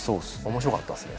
面白かったですね。